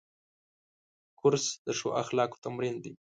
کورس د ښو اخلاقو تمرین دی.